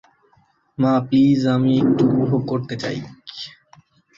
মা, প্লিজ, আমি একটু উপভোগ করতে চাই।